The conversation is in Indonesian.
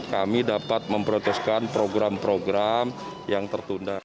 kami dapat memproteskan program program yang tertunda